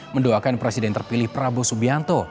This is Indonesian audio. mendoakan presiden terpilih prabowo subianto